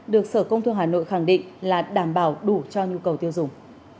được sở công thương hà nội khẳng định là đảm bảo đủ cho nhu cầu tiêu dùng